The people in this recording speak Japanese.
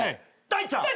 大ちゃん！